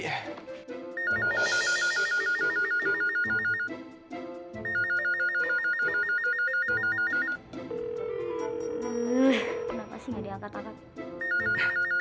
kenapa sih nggak diangkat angkat